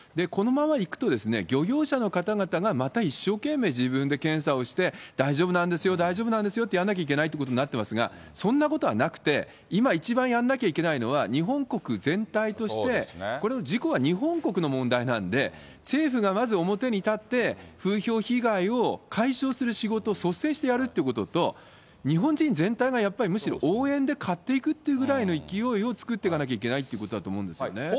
このままでいくと、漁業者の方々が、また一生懸命自分で検査をして、大丈夫なんですよ、大丈夫なんですよってやんなきゃいけないということになっていますが、そんなことはなくて、今一番やんなきゃいけないのは、日本国全体として、この事故は日本国の問題なんで、政府がまず表に立って、風評被害を解消する仕事を率先してやるってことと、日本人全体がやっぱりむしろ応援で買っていくっていうぐらいの勢いを作っていかなきゃいけないということだと思うんですよね。